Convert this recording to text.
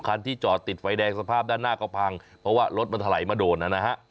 คันที่จอดติดไฟแดงสภาพด้านหน้าก็พังเพราะว่ารถมันถลายมาโดนนะฮะ